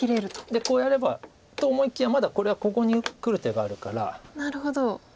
でこうやればと思いきやまだこれはここにくる手があるから。